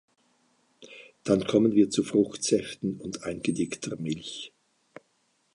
Dann kommen wir zu Fruchtsäften und eingedickter Milch.